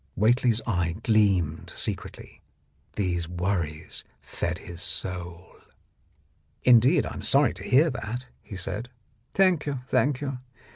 Whately's eye gleamed secretly ; these worries fed his soul. "Indeed, I am sorry to hear that," he said. "Thank you, thank you.